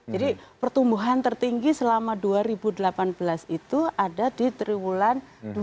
jadi pertumbuhan tertinggi selama dua ribu delapan belas itu ada di tribulan dua